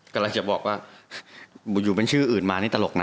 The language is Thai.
กำลังจะบอกว่าอยู่เป็นชื่ออื่นมานี่ตลกนะ